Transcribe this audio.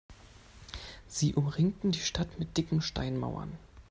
Sie umringten die Stadt mit dicken Steinmauern.